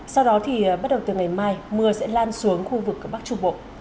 sau đó thì bắt đầu từ ngày mai mưa sẽ lan xuống khu vực bắc trung bộ